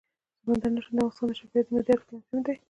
سمندر نه شتون د افغانستان د چاپیریال د مدیریت لپاره مهم دي.